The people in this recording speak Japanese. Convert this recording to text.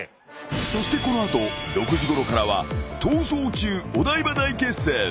［そしてこの後６時ごろからは『逃走中お台場大決戦！』］